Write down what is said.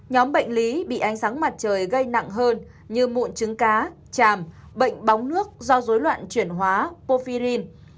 nhóm bệnh lý bị ánh sáng mặt trời gây nặng hơn như mụn trứng cá tràm bệnh bóng nước do dối loạn chuyển hóa pophirin